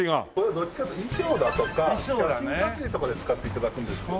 どっちかっていうと衣装だとか写真撮影とかで使って頂くんですけど。